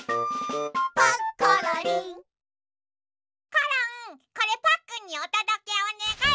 コロンこれパックンにおとどけおねがい。